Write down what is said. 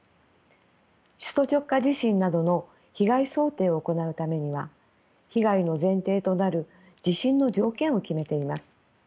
首都直下地震などの被害想定を行うためには被害の前提となる地震の条件を決めています。